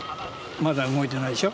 まだ動いてないでしょ。